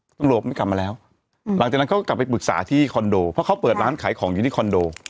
ตำรวจไม่กลับมาแล้วหลังจากนั้นเขาก็กลับไปปรึกษาที่คอนโดเพราะเขาเปิดร้านขายของอยู่ที่คอนโด